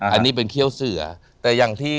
อันนี้เป็นเขี้ยวเสือแต่อย่างที่